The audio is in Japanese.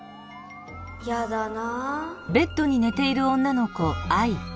やだな。